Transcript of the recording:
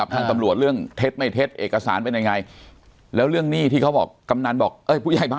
โดยใช้วิธีอะไรฮะ